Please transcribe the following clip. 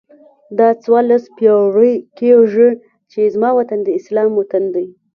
دا څوارلس پیړۍ کېږي چې زما وطن د اسلام وطن دی.